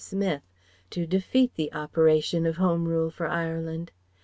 Smith, to defeat the operation of Home Rule for Ireland.